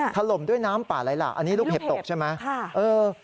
ถล่มด้วยน้ำป่าไหลหลากอันนี้ลูกเห็บตกใช่ไหม